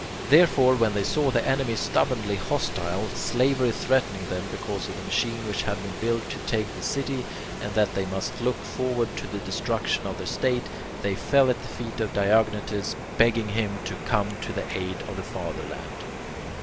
Therefore, when they saw the enemy stubbornly hostile, slavery threatening them because of the machine which had been built to take the city, and that they must look forward to the destruction of their state, they fell at the feet of Diognetus, begging him to come to the aid of the fatherland.